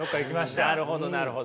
なるほどなるほど。